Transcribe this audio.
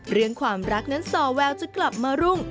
เรื่องความรักนั้นสอแววจะกลับมารุ่ง